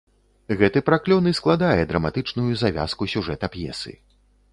Гэты праклён і складае драматычную завязку сюжэта п'есы.